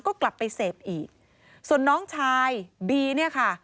ก็กลับไปเสพอีกส่วนน้องชายบีเนี่ยค่ะ